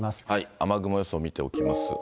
雨雲予想を見ておきますと。